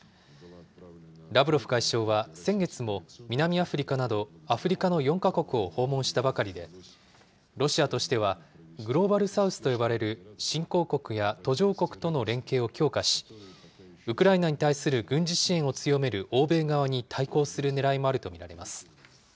ラブロフ外相は、先月も南アフリカなどアフリカの４か国を訪問したばかりで、ロシアとしては、グローバルサウスと呼ばれる新興国や途上国との連携を強化し、ウクライナに対する軍事支援を強める欧米側に対抗するねらいもあると見られます。